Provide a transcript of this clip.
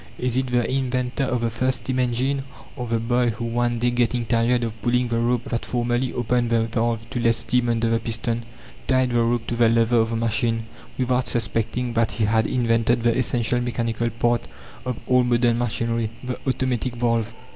Is it the inventor of the first steam engine, or the boy, who, one day getting tired of pulling the rope that formerly opened the valve to let steam under the piston, tied the rope to the lever of the machine, without suspecting that he had invented the essential mechanical part of all modern machinery the automatic valve?